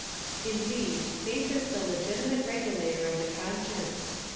Indeed, Faith is the legitimate regu lator of the conscience.